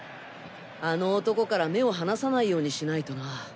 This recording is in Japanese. あの男から目を離さないようにしないとな。